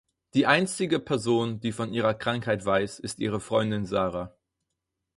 Die einzige Person, die von ihrer Krankheit weiß, ist ihre Freundin Sarah.